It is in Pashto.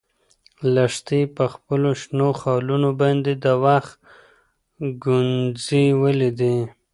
لښتې په خپلو شنو خالونو باندې د وخت ګونځې ولیدې.